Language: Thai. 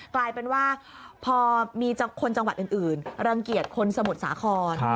กลายเป็นว่าพอมีคนจังหวัดอื่นรังเกียจคนสมุทรสาคร